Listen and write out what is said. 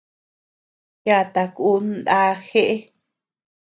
Yata kun ndá jeʼë.